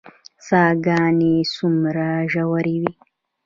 څاه ګانې څومره ژورې وي؟